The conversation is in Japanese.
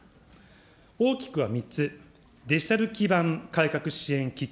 大きくは３つ、デジタル基盤改革支援基金